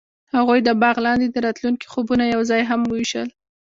هغوی د باغ لاندې د راتلونکي خوبونه یوځای هم وویشل.